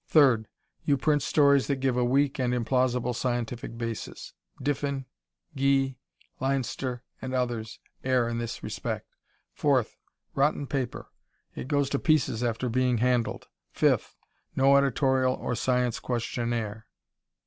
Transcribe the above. Third, you print stories that give a weak and implausible scientific basis. Diffin, Gee, Leinster and several others err in this respect. Fourth, rotten paper it goes to pieces after being handled. Fifth, no editorial or science questionnaire.